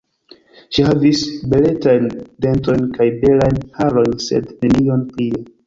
Ŝi havis beletajn dentojn kaj belajn harojn, sed nenion plie.